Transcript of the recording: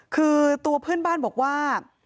คือตัวเพื่อนบ้านบอกว่า